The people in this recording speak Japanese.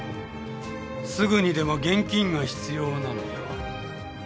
すぐにでも現金が必要なのでは？